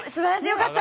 よかった！」